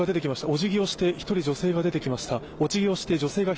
おじぎをして１人、女性が出てきました。